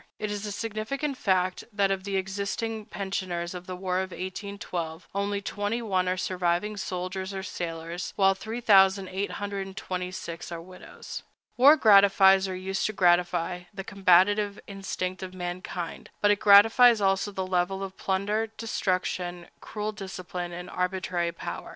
It is a significant fact that of the existing pensioners of the war of 1812 only twenty one are surviving soldiers or sailors, while 3826 are widows. War gratifies, or used to gratify, the combative instinct of mankind, but it gratifies also the love of plunder, destruction, cruel discipline, and arbitrary power.